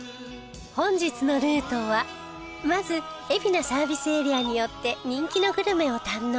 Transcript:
本日のルートはまず海老名サービスエリアに寄って人気のグルメを堪能